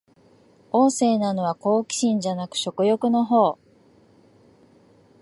旺盛なのは好奇心じゃなく食欲のほう